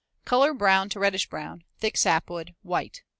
Color brown to reddish brown; thick sapwood, white.